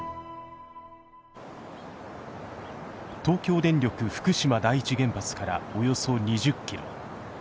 東京電力福島第一原発からおよそ２０キロ。